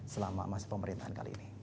selama masa pemerintahan kali ini